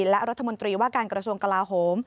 และรัฐมนตรีว่าการกระทรวงกลาโหม